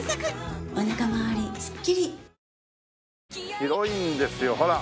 広いんですよほら。